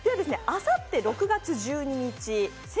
あさって６月１２日